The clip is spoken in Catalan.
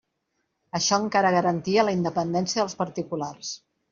Això encara garantia la independència dels particulars.